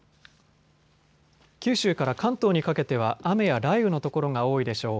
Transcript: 九州から関東にかけては雨や雷雨の所が多いでしょう。